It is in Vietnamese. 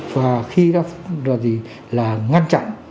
và khi ra pháp luật là ngăn chặn